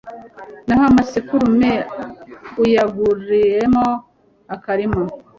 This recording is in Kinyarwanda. naho amasekurume uyaguremo akarima